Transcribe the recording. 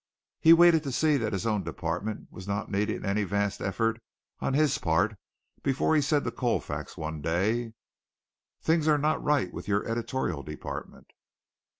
He waited to see that his own department was not needing any vast effort on his part before he said to Colfax one day: "Things are not right with your editorial department.